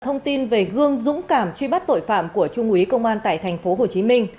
thông tin về gương dũng cảm truy bắt tội phạm của trung úy công an tại tp hcm